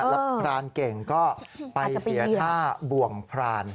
แล้วพรานเก่งก็ไปเสียท่าบ่วงพราน